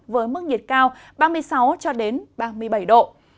với mức nhiệt cao ba mươi sáu ba mươi bảy độ